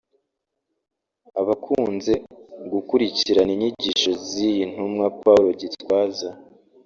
Abakunze gukurikirana inyigisho z’iyi ntumwa Paul Gitwaza